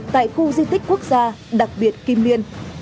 tại khu di tích quốc gia đặc biệt kim liên